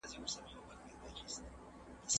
چرګوړي د خپلې مور تقلید کوي.